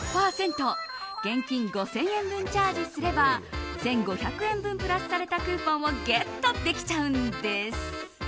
現金５０００円分チャージすれば１５００円分プラスされたクーポンをゲットできちゃうんです。